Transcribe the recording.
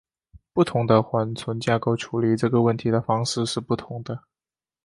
不同的缓存架构处理这个问题的方式是不同的。